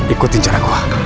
ikutin caraku ah